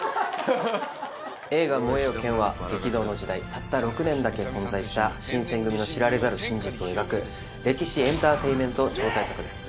映画『燃えよ剣』は激動の時代たった６年だけ存在した新選組の知られざる真実を描く歴史エンターテインメント超大作です。